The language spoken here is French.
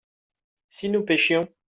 si nous pêchions.